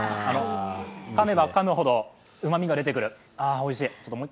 かめばかむほど、うまみが出てくる、ああ、おいしい。